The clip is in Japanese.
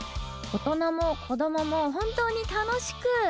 大人も子供も本当に楽しく